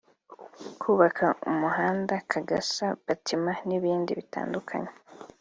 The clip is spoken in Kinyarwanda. kubaka umuhanda Kagasa- Batima n’ibindi bitandukanye